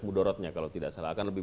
mudorotnya kalau tidak salah